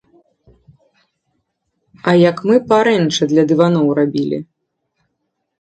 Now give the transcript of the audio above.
А як мы парэнчы для дываноў рабілі.